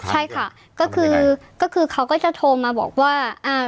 ใช่ค่ะก็คือเขาก็จะโทรมาบอกว่า